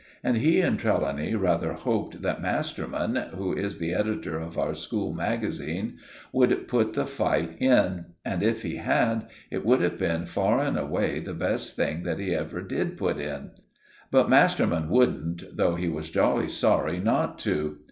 And he and Trelawny rather hoped that Masterman, who is the editor of our school magazine, would put the fight in; and if he had, it would have been far and away the best thing that he ever did put in. But Masterman wouldn't, though he was jolly sorry not to.